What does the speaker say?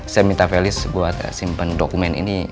saya minta felix buat simpen dokumen ini